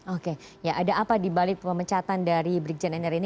oke ya ada apa dibalik pemecatan dari brigjen endar ini